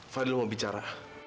fadil mau bicara